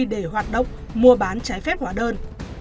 để hoạt động mua bán trái phép hóa đơn